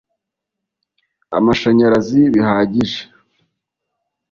amashanyarazi bihagije